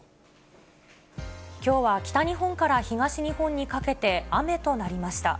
きょうは北日本から東日本にかけて雨となりました。